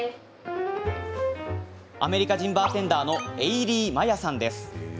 アメリカ人バーテンダーのエイリー・マヤさんです。